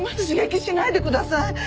刺激しないでください！